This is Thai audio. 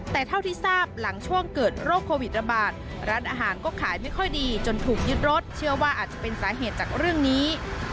แต่เท่าที่ทราบหลังช่วงเกิดโรคโควิดระบาดร้านอาหารก็ขายไม่ค่อยดีจนถูกยึดรถเชื่อว่าอาจจะเป็นสาเหตุจากเรื่องนี้